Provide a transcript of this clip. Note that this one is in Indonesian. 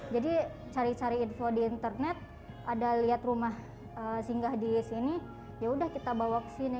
jadi cari cari info di internet ada lihat rumah singgah di sini yaudah kita bawa kesini